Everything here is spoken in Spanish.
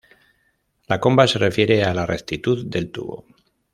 La comba se refiere a la "rectitud" del tubo.